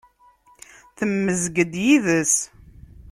Temmezg-d yid-s.